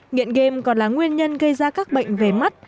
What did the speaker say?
nghiện game còn là nguyên nhân gây ra các bệnh về mắt